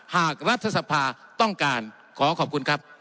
หากรัฐสภาต้องการขอขอบคุณครับ